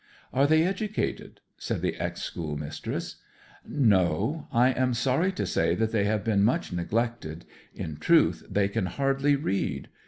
'Are they educated?' said the ex schoolmistress. 'No. I am sorry to say they have been much neglected; in truth, they can hardly read.